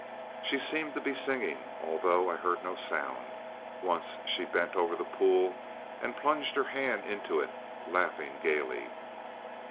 "She seemed to be singing, although I heard no sound. Once she bent over the pool and plunged her hand into it, laughing gaily.